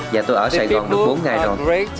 và tôi ở sài gòn được bốn ngày rồi